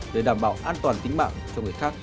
để đảm bảo an toàn tính mạng cho người khác